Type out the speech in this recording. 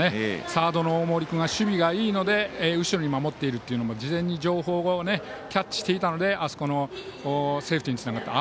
サードの大森君が守備がいいので後ろに守っているというのも事前に情報をキャッチしていたのであそこのセーフティーにつながった。